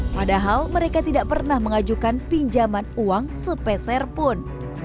padahal mereka tidak pernah mengajukan pinjaman uang sepeserpun